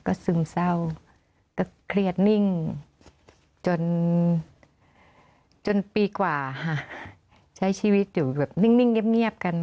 ก็ซึมเศร้าก็เครียดนิ่งจนปีกว่าค่ะใช้ชีวิตอยู่แบบนิ่งเงียบกัน